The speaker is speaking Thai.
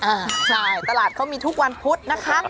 อ่าใช่ตลาดเขามีทุกวันพุธนะคะ